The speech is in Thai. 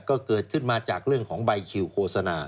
ก็เกิดขึ้นมาจากเรื่องของใบคิวโฆษณา